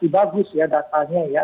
bagus ya datanya ya